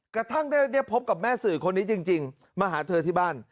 กระทั่งได้พบกับแม่สื่อคนนี้จริงมาหาเธอที่บ้าน